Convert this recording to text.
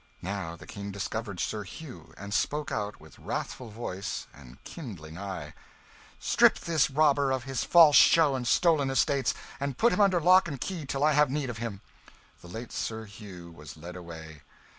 Now the King discovered Sir Hugh, and spoke out with wrathful voice and kindling eye "Strip this robber of his false show and stolen estates, and put him under lock and key till I have need of him." The late Sir Hugh was led away.